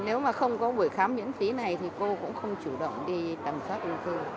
nếu mà không có buổi khám miễn phí này thì cô cũng không chủ động đi tầm soát ung thư